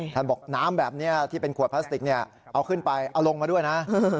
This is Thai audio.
ท่านบอกน้ำแบบนี้ที่เป็นขวดพลาสติกเอาขึ้นไปเอาลงมาด้วยนะ